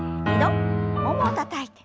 ももをたたいて。